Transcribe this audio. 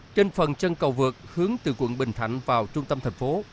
trên phần chân cầu vượt hướng từ quận bình thạnh vào trung tâm thành phố